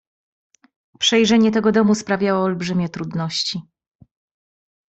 "Przejrzenie tego domu sprawiało olbrzymie trudności."